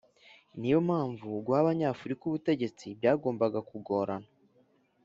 Ni yo mpamvu guha Abanyafurika ubutegetsi byagombaga kugorana